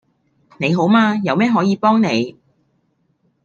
你好嗎有咩可以幫你